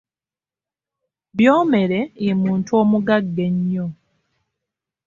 Byomere ye muntu omugagga ennyo.